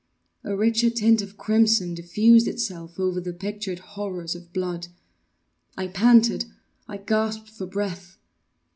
A richer tint of crimson diffused itself over the pictured horrors of blood. I panted! I gasped for breath!